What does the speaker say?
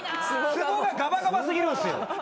つぼがガバガバ過ぎるんですよ。